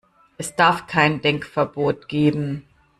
Es darf kein Denkverbot geben.